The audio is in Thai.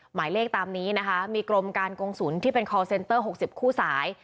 หมายเลขตามนี้นะคะมีกรมการกงศูนย์ที่เป็นคอลเซนเตอร์๖๐คู่สาย